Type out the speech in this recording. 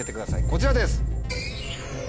こちらです。